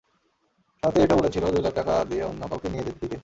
সাথে এটাও বলেছিল দুই লাখ টাকা দিয়ে অন্য কাউকে দিয়ে দিতে।